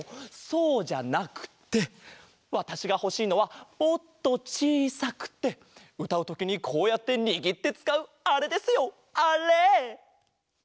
そうじゃなくってわたしがほしいのはもっとちいさくてうたうときにこうやってにぎってつかうあれですよあれ！